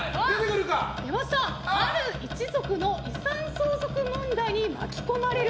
ある一族の遺産相続問題に巻き込まれる！